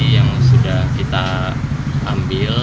yang sudah kita ambil